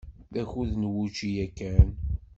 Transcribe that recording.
D akud n wučči yakan.